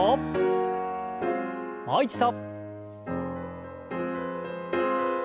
もう一度。